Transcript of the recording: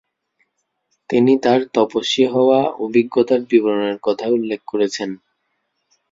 তিনি তাঁর তপস্বী হওয়া অভিজ্ঞতার বিবরণের কথা উল্লেখ করেছেন।